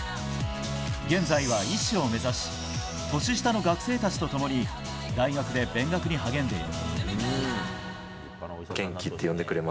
現在は医師を目指し年下の学生たちと共に大学で勉学に励んでいる。